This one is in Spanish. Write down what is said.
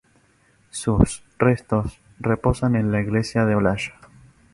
Sus restos reposan en la iglesia del Olaya.